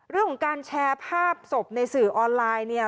เรื่องของการแชร์ภาพศพในสื่อออนไลน์เนี่ย